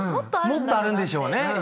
もっとあるんでしょうね